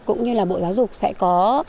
cũng như là bộ giáo dục sẽ có